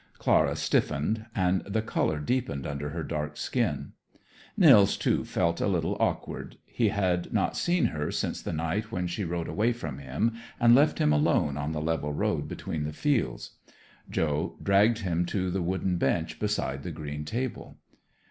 Clara stiffened and the color deepened under her dark skin. Nils, too, felt a little awkward. He had not seen her since the night when she rode away from him and left him alone on the level road between the fields. Joe dragged him to the wooden bench beside the green table.